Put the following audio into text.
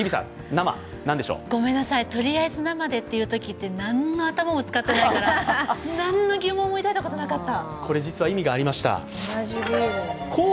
ごめんなさい、とりあえず生でって言うとき何の頭も使ってないから、何の疑問も抱いたことなかった。